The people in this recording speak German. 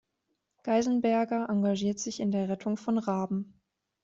Geisenberger engagiert sich in der Rettung von Raben.